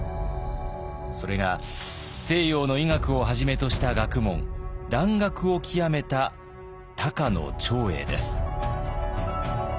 それが西洋の医学をはじめとした学問蘭学を究めた高野長英です。